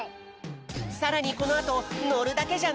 さらにこのあとのるだけじゃない！